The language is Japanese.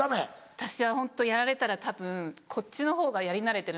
私はホントやられたらたぶんこっちのほうがやり慣れてるんで。